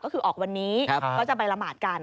ก็คือออกวันนี้ก็จะไปละหมาดกัน